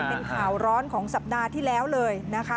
เป็นข่าวร้อนของสัปดาห์ที่แล้วเลยนะคะ